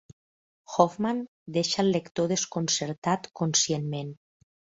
Hoffman deixa el lector desconcertat conscientment.